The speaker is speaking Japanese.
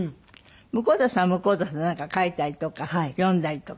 向田さんは向田さんでなんか書いたりとか読んだりとか。